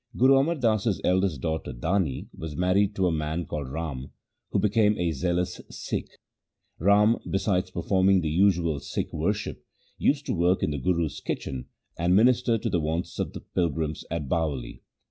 1 Guru Amar Das's elder daughter Dani was married to a man called Rama, who became a zealous Sikh. Rama, besides performing the usual Sikh worship, used to work in the Guru's kitchen and minister to the wants of pilgrims at the Bawali.